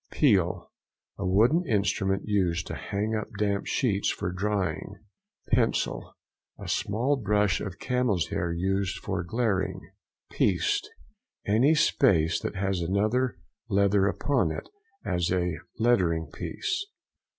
PEEL.—A wooden instrument used to hang up damp sheets for drying. PENCIL.—A small brush of camel's hair used for glairing. PIECED.—Any space that has another leather upon it, as a lettering piece.